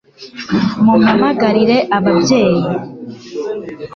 mumpamagarire ababyeyi